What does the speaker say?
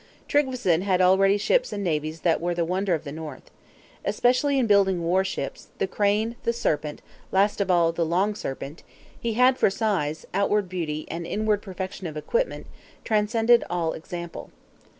Tryggveson had already ships and navies that were the wonder of the North. Especially in building war ships, the Crane, the Serpent, last of all the Long Serpent, he had, for size, for outward beauty, and inward perfection of equipment, transcended all example.